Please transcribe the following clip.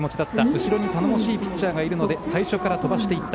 後ろに頼もしいピッチャーがいるので、最初から飛ばしていった。